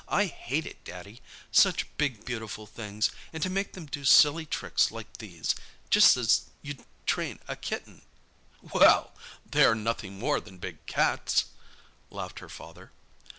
"I hate it, Daddy. Such big, beautiful things, and to make them do silly tricks like these; just as you'd train a kitten!" "Well, they're nothing more than big cats," laughed her father.